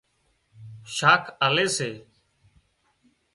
شاک آلي سي